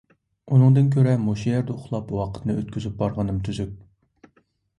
ئۇنىڭدىن كۆرە مۇشۇ يەردە ئۇخلاپ ۋاقىتنى ئۆتكۈزۈپ بارغىنىم تۈزۈك.